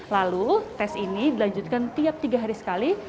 lalu tes ini dilanjutkan tiap tiga hari sekali